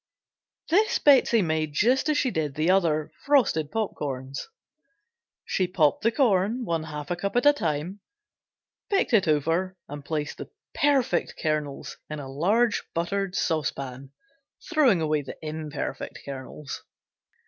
This Betsey made just as she did the other "Frosted Popcorn." She popped the corn, one half a cup at a time, picked it over and placed the perfect kernels in a large buttered saucepan, throwing away the imperfect kernels.